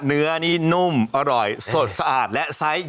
เนื้อนี่นุ่มอร่อยสดสะอาดและไซส์